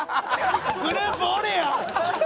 グループおれや。